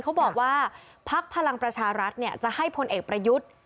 เขาบอกว่าพักพลังประชารัฐจะให้พลเอกประยุทธ์